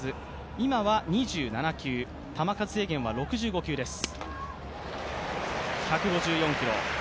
今は２７球、球数制限は６５球です。